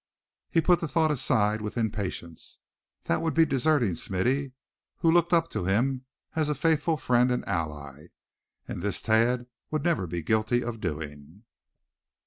He put the thought aside with impatience. That would be deserting Smithy, who looked up to him as a faithful friend and ally; and this Thad would never be guilty of doing.